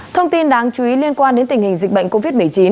thông tin đáng chú ý liên quan đến tình hình dịch bệnh covid một mươi chín